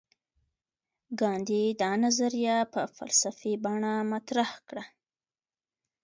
ګاندي دا نظریه په فلسفي بڼه مطرح کړه.